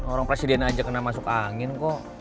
orang presiden aja kena masuk angin kok